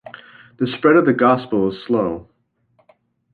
The spread of the gospel is slow.